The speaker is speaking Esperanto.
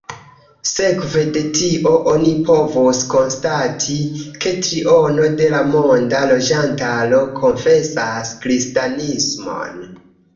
Sekve de tio oni povus konstati, ke triono de la monda loĝantaro konfesas kristanismon.